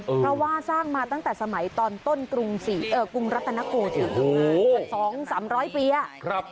เพราะว่าสร้างมาตั้งแต่สมัยตอนต้นกรุงศรีเอ่อกรุงรัตนโกธิสองสามร้อยปีอ่ะครับ